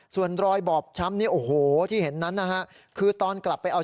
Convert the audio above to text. ส่วนรอยกลับช้ำโอ้โหที่เห็นนั้นค่ะ